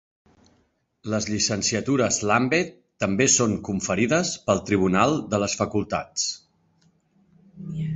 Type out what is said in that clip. Les llicenciatures Lambeth també són conferides pel Tribunal de les Facultats.